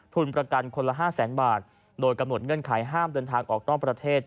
ประกันคนละ๕แสนบาทโดยกำหนดเงื่อนไขห้ามเดินทางออกนอกประเทศ